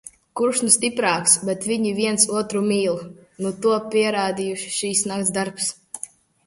Kurš nu stiprāks, bet viņi viens otru mīl. Nu to pierādīja šis nakts darbs.